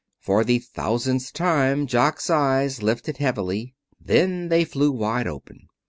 For the thousandth time Jock's eyes lifted heavily. Then they flew wide open.